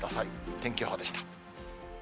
天気予報でした。